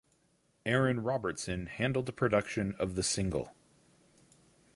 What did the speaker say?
Aaron Robertson handled the production of the single.